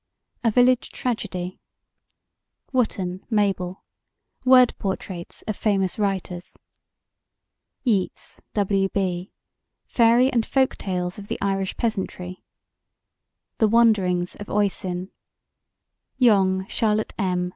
A Village Tragedy WOTTON, MABEL: Word Portraits of Famous Writers YEATS, W. B.: Fairy and Folk Tales of the Irish Peasantry The Wanderings of Oisin YONGE, CHARLOTTE M.